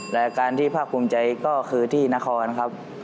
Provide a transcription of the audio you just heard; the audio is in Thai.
รายการที่ภาคภูมิใจก็คือที่นครครับ